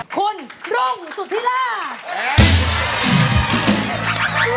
ขุนน์ร่วงซุพิร่า